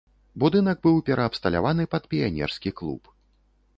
Будынак быў пераабсталяваны пад піянерскі клуб.